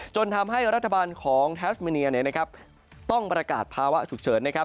จนทำให้รัฐบาลของทาสเมเนียต้องประกาศภาวะฉุกเฉิน